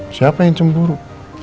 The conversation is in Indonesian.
siapa yang cemburu